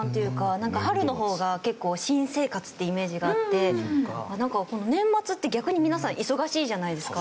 なんか春の方が結構新生活っていうイメージがあって年末って逆に皆さん忙しいじゃないですか。